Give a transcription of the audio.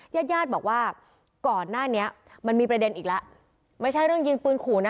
ญาติญาติบอกว่าก่อนหน้านี้มันมีประเด็นอีกแล้วไม่ใช่เรื่องยิงปืนขู่นะ